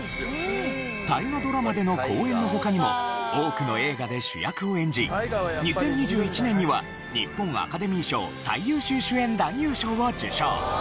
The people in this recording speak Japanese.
大河ドラマでの好演の他にも多くの映画で主役を演じ２０２１年には日本アカデミー賞最優秀主演男優賞を受賞。